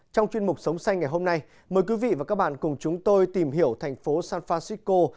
trong chuyên mục sống xanh ngày hôm nay mời quý vị và các bạn cùng chúng tôi tìm hiểu thành phố san francisco